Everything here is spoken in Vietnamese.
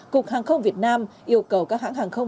cục hàng không việt nam yêu cầu các hãng hàng không